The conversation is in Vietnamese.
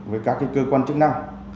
với các cái cơ quan chức năng